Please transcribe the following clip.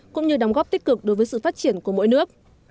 cũng như đóng góp tích cực đối với sự phát triển của mỗi nước